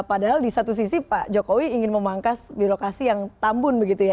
padahal di satu sisi pak jokowi ingin memangkas birokrasi yang tambun begitu ya